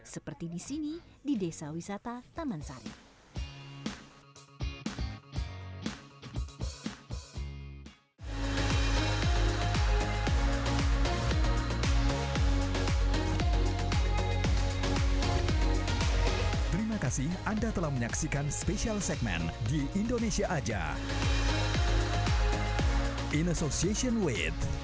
seperti di sini di desa wisata taman sari